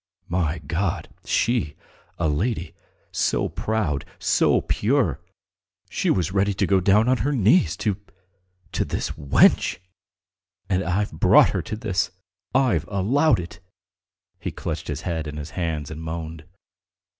"My God! She, a lady, so proud, so pure. ... She was ready to go down on her knees to ... to this wench! And I've brought her to this! I've allowed it!" He clutched his head in his hands and moaned.